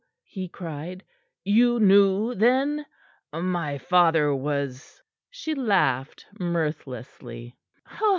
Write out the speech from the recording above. he cried. "You knew, then? My father was " She laughed mirthlessly.